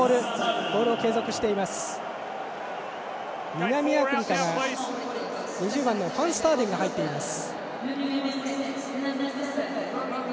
南アフリカは２０番のファンスターデンが入っています。